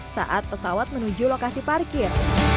saat pesawat menuju lokasi parkir